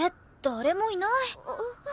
誰もいない？